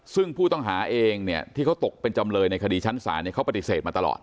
ซึ่งผู้ต้องหาเองที่เขาตกเป็นจำเลยในคดีชั้นศาลเขาปฏิเสธมาตลอด